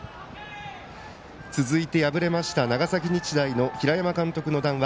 続いて敗れました長崎日大の平山監督の談話。